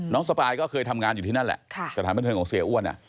สปายก็เคยทำงานอยู่ที่นั่นแหละสถานบันเทิงของเสียอ้วน